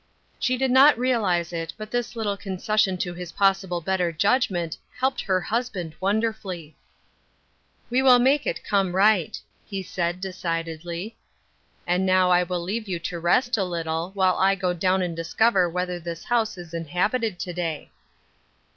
She did not realize it, but this little conces sion to his possible better judgment helped her husband wonderfully. " We will make it come right," he said, decid edly. " And now I will leave you to rest a lit tle, while I go down and discover whether this house is inhabited to day."